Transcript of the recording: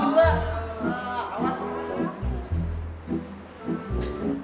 bapak ibu ibu